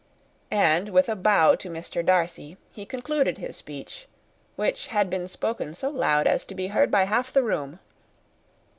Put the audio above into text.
And with a bow to Mr. Darcy, he concluded his speech, which had been spoken so loud as to be heard by half the room.